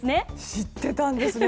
知っていたんですね